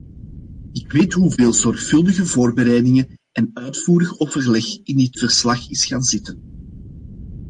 Ik weet hoeveel zorgvuldige voorbereiding en uitvoerig overleg in dit verslag is gaan zitten.